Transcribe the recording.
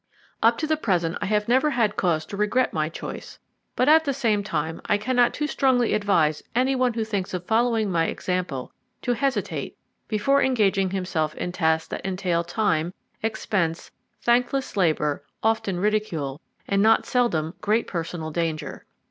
Up to the present I have never had cause to regret my choice, but at the same time I cannot too strongly advise any one who thinks of following my example to hesitate before engaging himself in tasks that entail time, expense, thankless labour, often ridicule, and not seldom great personal danger.